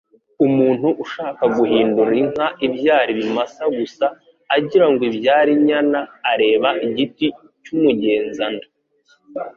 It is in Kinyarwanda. Umuntu ushaka guhindura inka ibyara ibimasa gusa, agirango ibyare inyana, areba igiti cy’umugenzanda ,